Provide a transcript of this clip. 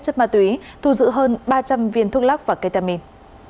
chất ma túy thu giữ hơn ba trăm linh viên thuốc lắc và ketamin